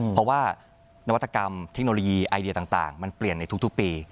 เพราะว่านวัตกรรมเทคโนโลยีไอเดียต่างมันเปลี่ยนในทุกปี